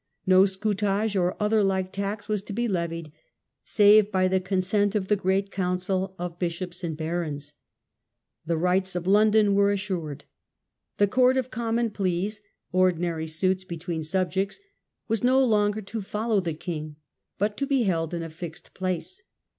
No scutage or other like tax was to be levied save by the consent of the great council of bishops and barons. The rights of London were assured. The Court of Common Pleas (ordinary suits between subjects) was no longer to follow the king, but to be held in a fixed place.